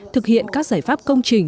thực hiện các giải pháp công trình